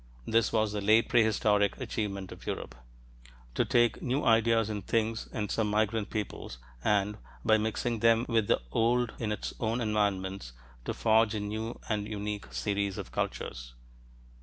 This was the late prehistoric achievement of Europe to take new ideas and things and some migrant peoples and, by mixing them with the old in its own environments, to forge a new and unique series of cultures.